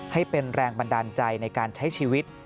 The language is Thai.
ให้เป็นแรงบันดาลใจในการใช้ชีวิต